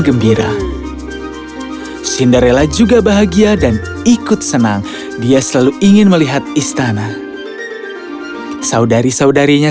gembira cinderella juga bahagia dan ikut senang dia selalu ingin melihat istana saudari saudarinya